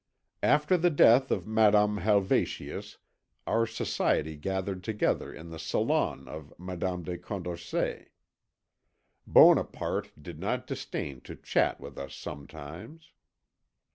After the death of Madame Helvetius our society gathered together in the salon of Madame de Condorcet. Bonaparte did not disdain to chat with us sometimes.